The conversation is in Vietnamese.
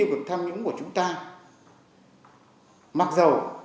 nên hãy đối tác với chúng tôi